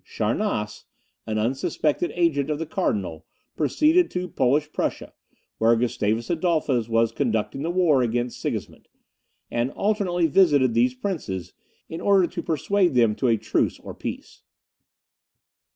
Charnasse, an unsuspected agent of the Cardinal, proceeded to Polish Prussia, where Gustavus Adolphus was conducting the war against Sigismund, and alternately visited these princes, in order to persuade them to a truce or peace.